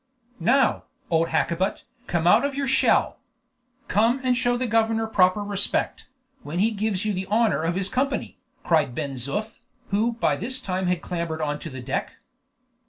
"Now, old Hakkabut, come out of your shell! Come and show the governor proper respect, when he gives you the honor of his company," cried Ben Zoof, who by this time had clambered onto the deck.